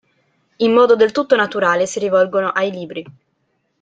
In modo del tutto naturale si rivolgono ai libri.